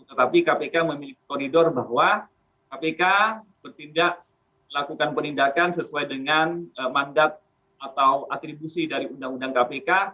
tetapi kpk memiliki koridor bahwa kpk bertindak melakukan penindakan sesuai dengan mandat atau atribusi dari undang undang kpk